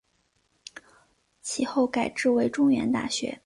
其后改制为中原大学。